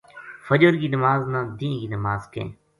فجر کی نماز نا دینہ کی نماز کہیں۔